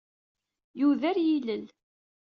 Yuder yilel.